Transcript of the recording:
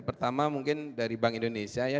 pertama mungkin dari bank indonesia ya